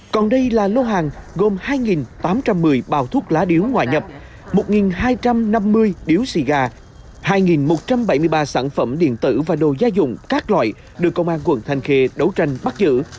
còn đây là lô hàng gồm hai tám trăm một mươi bao thuốc lá điếu ngoại nhập một hai trăm năm mươi điếu xì gà hai một trăm bảy mươi ba sản phẩm điện tử và đồ gia dụng các loại được công an quận thanh khê đấu tranh bắt giữ